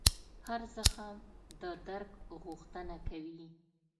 هر زخم د درک غوښتنه کوي.